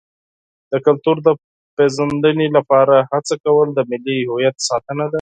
د کلتور د پیژندنې لپاره هڅه کول د ملي هویت ساتنه ده.